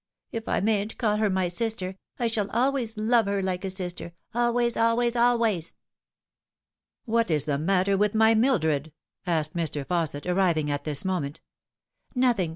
" If I mayn't call her my sister, I shall always love her like a sister always, always, always." " What is the matter with my Mildred ?" asked Mr. Fausset, arriving at this moment. "Nothing.